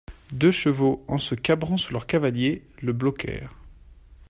Deux chevaux, en se cabrant sous leurs cavaliers, le bloquèrent.